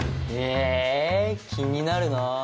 え気になるなぁ。